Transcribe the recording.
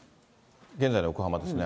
現在の横浜ですね。